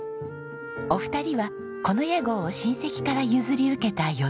お二人はこの屋号を親戚から譲り受けた四代目。